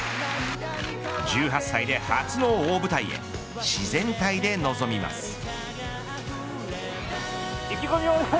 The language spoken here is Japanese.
１８歳で初の大舞台へ自然体で臨みます。